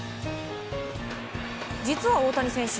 実は大谷選手